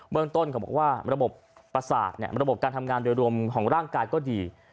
เมืองต้นเขาบอกว่าระบบประสาทระบบการทำงานโดยรวมของร่างกายก็ดี